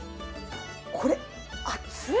これ熱い！